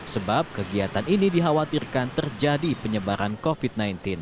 sebab kegiatan ini dikhawatirkan terjadi penyebaran covid sembilan belas